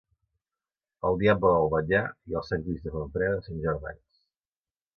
El diable d'Albanyà i el Sant Crist de Fontfreda són germans.